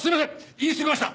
言いすぎました。